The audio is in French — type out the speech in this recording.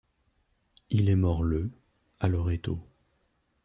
Il est mort le à Loreto.